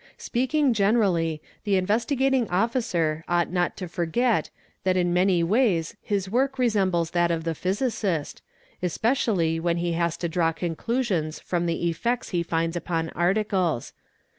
_ Speaking generally the Investigating Officer ought not to forget that Si "m many ways his work resembles that of the physicist, especially when he has to draw conclusions from the effects he finds upon articles.